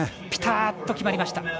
ピタッと決まりました。